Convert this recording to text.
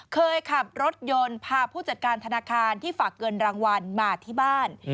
เคยขับรถยนต์พาผู้จัดการธนาคารที่ฝากเงินรางวัลมาที่บ้าน